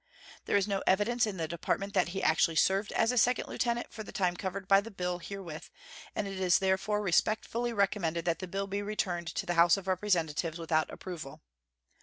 There is no evidence in the Department that he actually served as a second lieutenant for the time covered by the bill herewith, and it is therefore respectfully recommended that the bill be returned to the House of Representatives without approval.